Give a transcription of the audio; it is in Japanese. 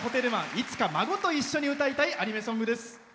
いつか、孫と一緒に歌いたいアニメソングです。